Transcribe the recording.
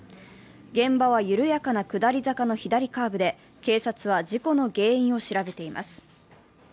現場は緩やかな下り坂の左カーブで、警察は事故の原因を調べています。